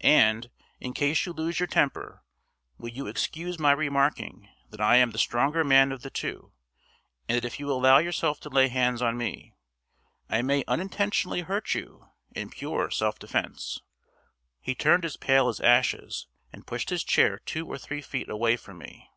"And, in case you lose your temper, will you excuse my remarking that I am the stronger man of the two, and that if you allow yourself to lay hands on me, I may unintentionally hurt you, in pure self defense." He turned as pale as ashes, and pushed his chair two or three feet away from me.